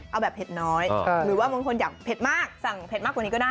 เอาแบบเผ็ดน้อยหรือว่าบางคนอยากเผ็ดมากสั่งเผ็ดมากกว่านี้ก็ได้